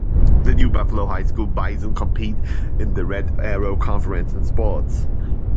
The New Buffalo High School Bison compete in the Red Arrow Conference in sports.